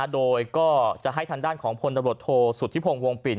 โดยก็จะให้ทางด้านของพจนรโทสุทธิพงวงปิ่น